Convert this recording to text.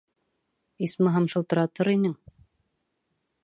Исмаһам, шылтыратыр инең.